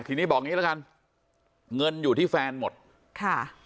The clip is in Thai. ทีนี้บอกงี้ละกันเงินอยู่ที่แฟนหมดค่ะ